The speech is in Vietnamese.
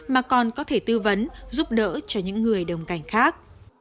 mà còn có thể tư vấn giúp đỡ cho những người đồng cảnh khác